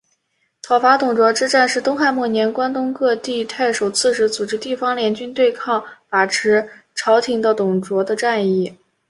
讨伐董卓之战是东汉末年关东各地太守刺史组织地方联军对抗把持朝廷的董卓的战役。